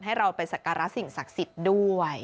ให้เราไปสักการะสิ่งศักดิ์สิทธิ์ด้วย